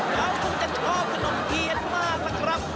เขาคงจะชอบขนมเทียนมากล่ะครับ